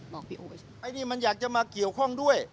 บอกพี่โอ๊ยไอ้นี่มันอยากจะมาเกี่ยวข้องด้วย